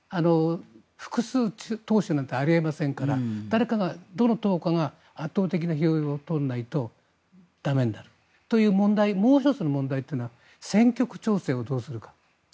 複数党首なんてあり得ませんから誰かがどこかの党が圧倒的な票を取らないと駄目になるというもう１つの問題は選挙区調整をどうするか。